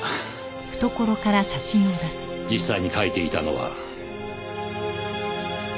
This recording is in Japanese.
実際に書いていたのは。